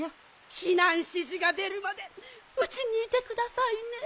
ひなんしじがでるまでうちにいてくださいね。